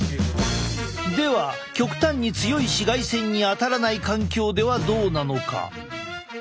では極端に強い紫外線に当たらない環境ではどうなのか？